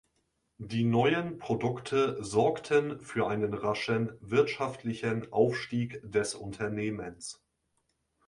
Die neuen Produkte sorgten für einen raschen wirtschaftlichen Aufstieg des Unternehmens.